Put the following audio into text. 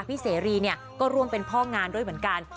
เสรีเนี่ยก็ร่วมเป็นพ่องานด้วยเหมือนกัน